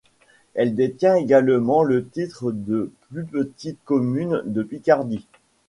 Elle détient également le titre de plus petite commune de Picardie.